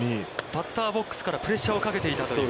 バッターボックスからプレッシャーをかけていたという。